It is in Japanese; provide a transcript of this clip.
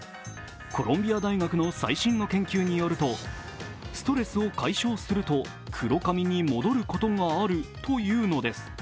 コロンビア大学の最新の研究によるとストレスを解消すると黒髪に戻ることがあるというのです。